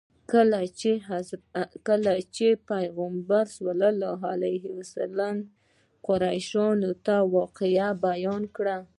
کله چې پیغمبر صلی الله علیه وسلم قریشو ته دا واقعه بیان کړه.